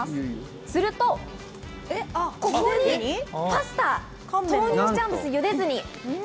するとここにパスタ、投入しちゃうんです、茹でずに。